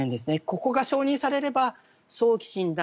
ここが承認されれば早期診断